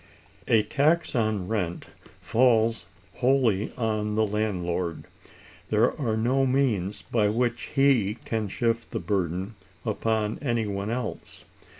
A tax on rent falls wholly on the landlord. There are no means by which he can shift the burden upon any one else.